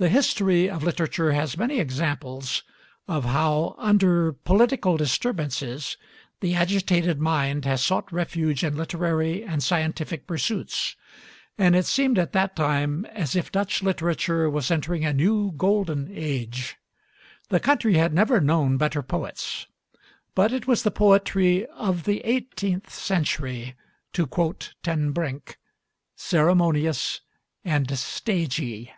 The history of literature has many examples of how, under political disturbances, the agitated mind has sought refuge in literary and scientific pursuits, and it seemed at that time as if Dutch literature was entering a new Golden Age. The country had never known better poets; but it was the poetry of the eighteenth century, to quote Ten Brink, "ceremonious and stagy."